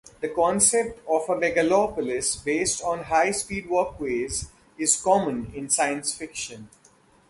The concept of a megalopolis based on high-speed walkways is common in science fiction.